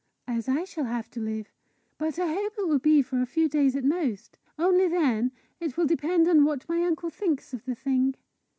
"As I shall have to live. But I hope it will be but for a few days at most. Only, then, it will depend on what my uncle thinks of the thing."